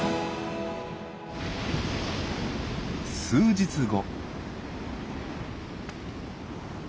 数日後。